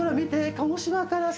鹿児島からさ